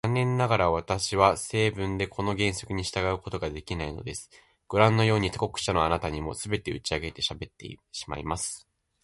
残念ながら、私は性分でこの原則に従うことができないのです。ごらんのように、他国者のあなたにも、すべて打ち明けてしゃべってしまいます。